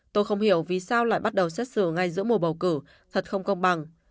tôi không hiểu vì sao lại bắt đầu xét xử ngay giữa mùa bầu cử thật không công bằng